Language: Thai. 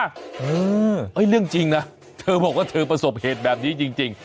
เออเรื่องจริงนะเธอบอกว่าเธอประสบเหตุแบบนี้จริง